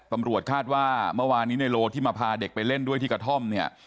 ตำรวจคาดว่าเมื่อวานนี้ในโลที่มาพาเด็กไปเล่นด้วยที่กระท่อมเนี่ย